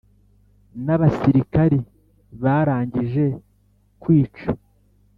n ‘abasirikari barangije kwica,